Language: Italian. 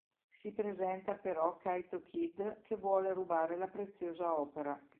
Si presenta però Kaito Kid, che vuole rubare la preziosa opera.